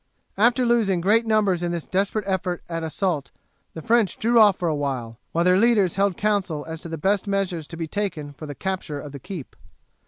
After losing great numbers in this desperate effort at assault the French drew off for a while, while their leaders held council as to the best measures to be taken for the capture of the keep.